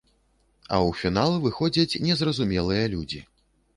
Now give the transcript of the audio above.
А ў фінал выходзяць незразумелыя людзі.